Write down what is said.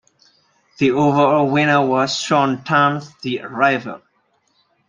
The overall winner was Shaun Tan's "The Arrival".